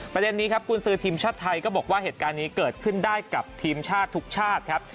ประเด็นนี้ครับกุญสือทีมชาติไทยก็บอกว่าเหตุการณ์นี้เกิดขึ้นได้กับทีมชาติทุกชาติครับ